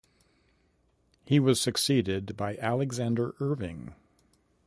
He was succeeded by Alexander Irving.